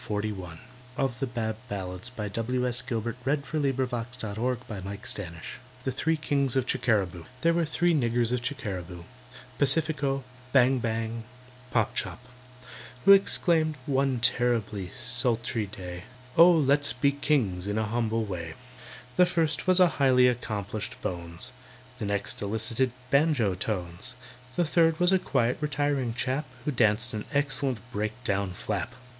And so they laid them down and died. In proud Stamboul they sleep their slumber, THE THREE KINGS OF CHICKERABOO THERE were three niggers of Chickeraboo— PACIFICO, BANG BANG, POPCHOP—who Exclaimed, one terribly sultry day, "Oh, let's be kings in a humble way." The first was a highly accomplished "bones," The next elicited banjo tones, The third was a quiet, retiring chap, Who danced an excellent break down "flap."